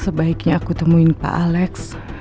sebaiknya aku temuin pak alex